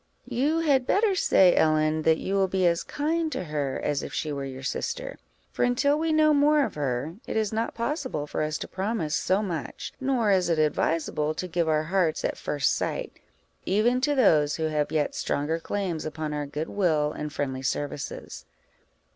"You had better say, Ellen, that you will be as kind to her as if she were your sister; for until we know more of her, it is not possible for us to promise so much; nor is it advisable to give our hearts at first sight, even to those who have yet stronger claims upon our good will and friendly services."